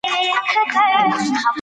تلویزیون باید بند کړل شي.